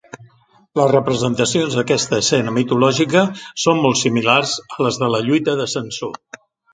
Les representacions d'aquesta escena mitològica són molt similars a les de la lluita de Samsó.